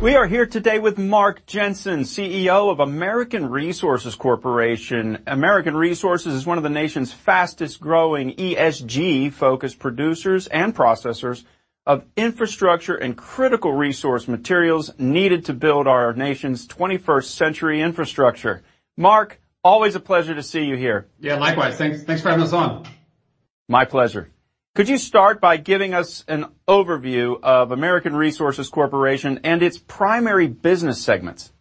We are here today with Mark Jensen, CEO of American Resources Corporation. American Resources is one of the nation's fastest growing ESG-focused producers and processors of infrastructure and critical resource materials needed to build our nation's 21st century infrastructure. Mark, always a pleasure to see you here. Yeah, likewise. Thanks, thanks for having us on. My pleasure. Could you start by giving us an overview of American Resources Corporation and its primary business segments?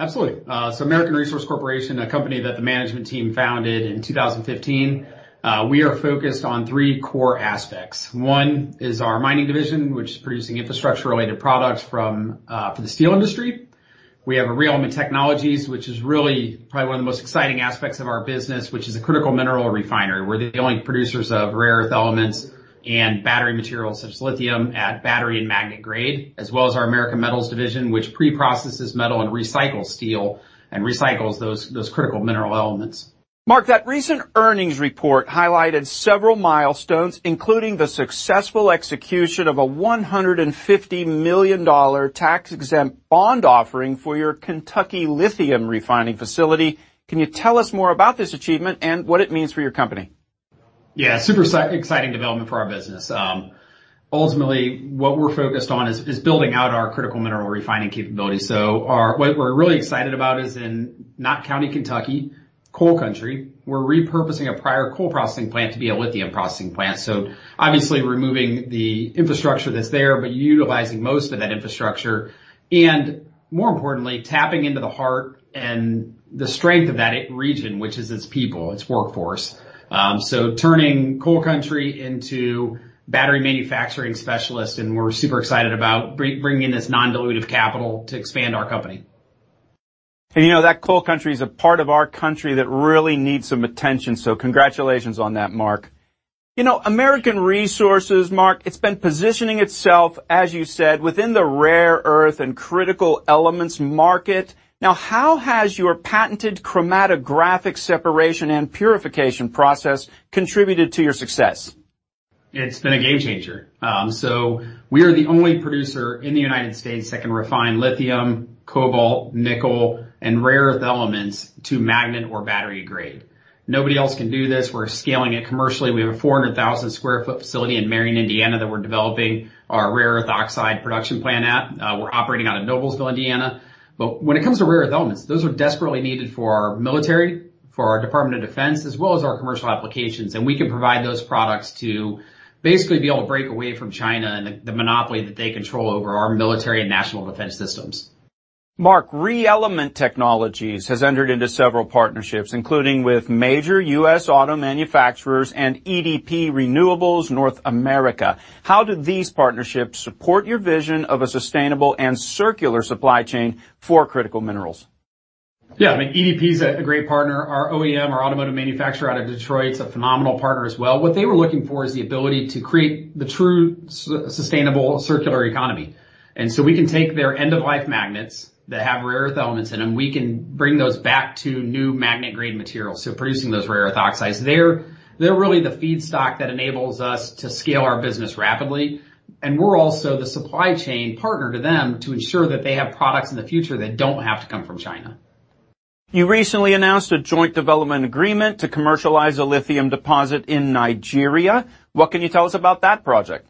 Absolutely. So American Resources Corporation, a company that the management team founded in 2015, we are focused on three core aspects. One is our Mining division, which is producing infrastructure-related products from for the steel industry. We have ReElement Technologies, which is really probably one of the most exciting aspects of our business, which is a critical mineral refinery. We're the only producers of rare earth elements and battery materials, such as lithium at battery and magnet grade, as well as our American Metals division, which pre-processes metal and recycles steel and those critical mineral elements. Mark, that recent earnings report highlighted several milestones, including the successful execution of a $150 million tax-exempt bond offering for your Kentucky lithium refining facility. Can you tell us more about this achievement and what it means for your company? Yeah, super exciting development for our business. Ultimately, what we're focused on is building out our critical mineral refining capabilities. What we're really excited about is in Knott County, Kentucky, coal country, we're repurposing a prior coal processing plant to be a lithium processing plant. So obviously, removing the infrastructure that's there, but utilizing most of that infrastructure, and more importantly, tapping into the heart and the strength of that region, which is its people, its workforce. Turning coal country into battery manufacturing specialists, and we're super excited about bringing this non-dilutive capital to expand our company. You know, that coal country is a part of our country that really needs some attention, so congratulations on that, Mark. You know, American Resources, Mark, it's been positioning itself, as you said, within the rare earth and critical elements market. Now, how has your patented chromatographic separation and purification process contributed to your success? It's been a game changer. So we are the only producer in the United States that can refine lithium, cobalt, nickel, and rare earth elements to magnet or battery grade. Nobody else can do this. We're scaling it commercially. We have a 400,000 sq ft facility in Marion, Indiana, that we're developing our rare earth oxide production plant at. We're operating out of Noblesville, Indiana. But when it comes to rare earth elements, those are desperately needed for our military, for our Department of Defense, as well as our commercial applications, and we can provide those products to basically be able to break away from China and the monopoly that they control over our military and national defense systems. Mark, ReElement Technologies has entered into several partnerships, including with major U.S. auto manufacturers and EDP Renewables North America. How do these partnerships support your vision of a sustainable and circular supply chain for critical minerals? Yeah, I mean, EDP is a great partner. Our OEM, our automotive manufacturer out of Detroit, is a phenomenal partner as well. What they were looking for is the ability to create the true sustainable circular economy. And so we can take their end-of-life magnets that have rare earth elements in them, we can bring those back to new magnet-grade materials, so producing those rare earth oxides. They're really the feedstock that enables us to scale our business rapidly, and we're also the supply chain partner to them to ensure that they have products in the future that don't have to come from China. You recently announced a joint development agreement to commercialize a lithium deposit in Nigeria. What can you tell us about that project?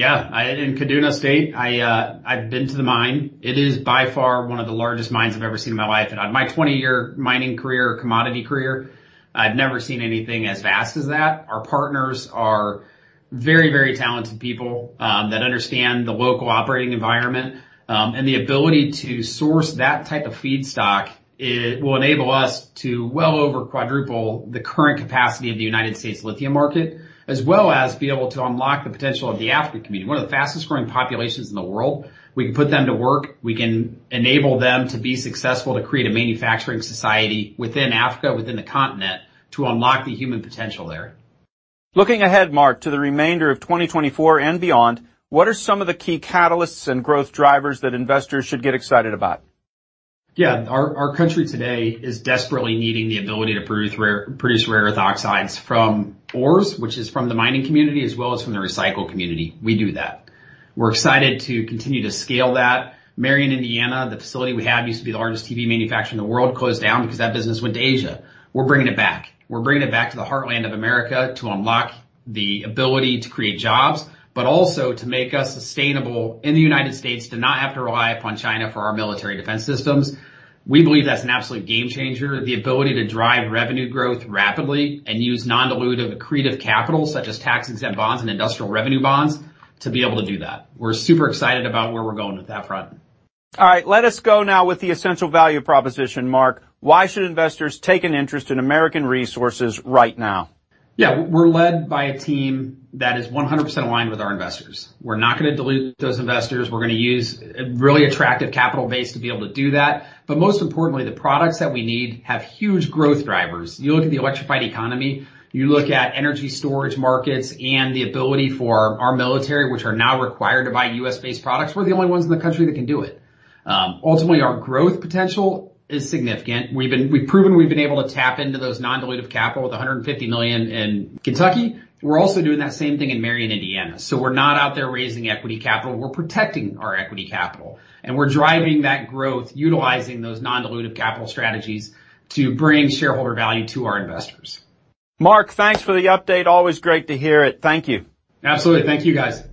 Yeah. In Kaduna State, I've been to the mine. It is by far one of the largest mines I've ever seen in my life. In my 20-year mining career, commodity career, I've never seen anything as vast as that. Our partners are very, very talented people that understand the local operating environment and the ability to source that type of feedstock. It will enable us to well over quadruple the current capacity of the United States lithium market, as well as be able to unlock the potential of the African community, one of the fastest growing populations in the world. We can put them to work, we can enable them to be successful, to create a manufacturing society within Africa, within the continent, to unlock the human potential there. Looking ahead, Mark, to the remainder of 2024 and beyond, what are some of the key catalysts and growth drivers that investors should get excited about? Yeah, our country today is desperately needing the ability to produce rare earth oxides from ores, which is from the mining community, as well as from the recycle community. We do that. We're excited to continue to scale that. Marion, Indiana, the facility we have, used to be the largest TV manufacturer in the world, closed down because that business went to Asia. We're bringing it back. We're bringing it back to the heartland of America to unlock the ability to create jobs, but also to make us sustainable in the United States, to not have to rely upon China for our military defense systems. We believe that's an absolute game changer, the ability to drive revenue growth rapidly and use non-dilutive accretive capital, such as tax-exempt bonds and industrial revenue bonds, to be able to do that. We're super excited about where we're going with that front. All right, let us go now with the essential value proposition, Mark. Why should investors take an interest in American Resources right now? Yeah, we're led by a team that is 100% aligned with our investors. We're not gonna dilute those investors. We're gonna use a really attractive capital base to be able to do that. But most importantly, the products that we need have huge growth drivers. You look at the electrified economy, you look at energy storage markets and the ability for our military, which are now required to buy U.S.-based products. We're the only ones in the country that can do it. Ultimately, our growth potential is significant. We've proven we've been able to tap into those non-dilutive capital with $150 million in Kentucky. We're also doing that same thing in Marion, Indiana. So we're not out there raising equity capital, we're protecting our equity capital, and we're driving that growth, utilizing those non-dilutive capital strategies to bring shareholder value to our investors. Mark, thanks for the update. Always great to hear it. Thank you. Absolutely. Thank you, guys.